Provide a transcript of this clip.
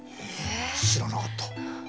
え知らなかった。